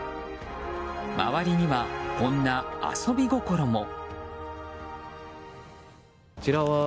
周りには、こんな遊び心も。